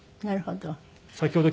なるほど。